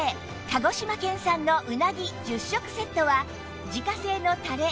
鹿児島県産のうなぎ１０食セットは自家製のたれ